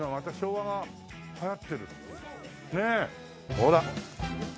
ほら。